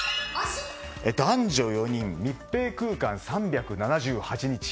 男女４人、密閉空間３７８日。